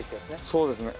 そうですね。